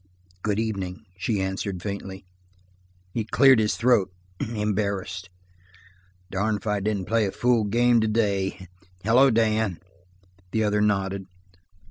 "Good evening," she answered faintly. He cleared his throat, embarrassed. "Darned if I didn't play a fool game today hello, Dan." The other nodded.